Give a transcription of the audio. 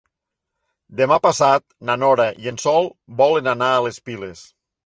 Demà passat na Nora i en Sol volen anar a les Piles.